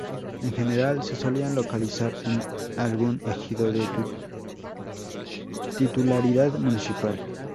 En general, se solían localizar en algún ejido de titularidad municipal.